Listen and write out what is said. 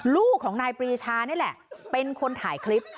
ลูกของนายปรีชานี่แหละเป็นคนถ่ายคลิป